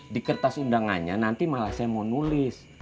di kertas undangannya nanti malah saya mau nulis